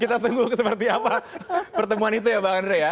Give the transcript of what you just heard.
kita tunggu seperti apa pertemuan itu ya pak andre